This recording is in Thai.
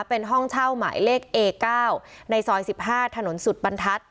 เป็นห้องเช่าหมายเลขเอเก้าในซอยสิบห้าถนนสุดบรรทัศน์